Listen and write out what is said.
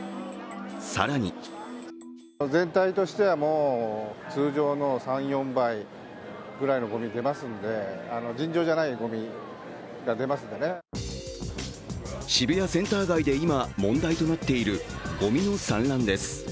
更に渋谷センター街で今、問題となっているごみの散乱です。